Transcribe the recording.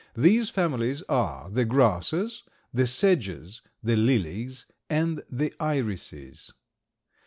These families are the grasses, the sedges, the lilies, and the irises.